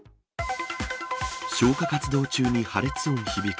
消火活動中に破裂音響く。